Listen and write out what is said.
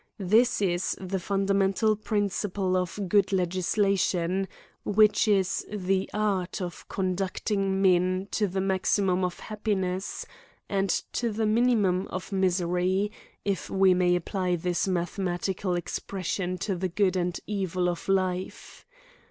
This is the fundamental principle of good legislation, which is the art of conducting men to the maxitnum of happiness, and to the minimum of misery, if we may apply this mathematical ex pression to the good and evil of life.